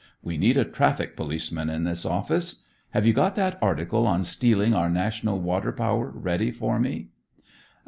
We need a traffic policeman in this office. Have you got that article on 'Stealing Our National Water Power' ready for me?"